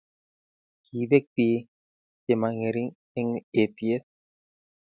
Kibek bik che mingerik eng etiet